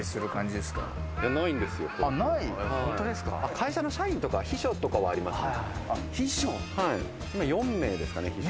会社の社員とか秘書とかはありますね。